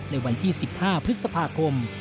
ในวันที่๑๕พฤษภาคม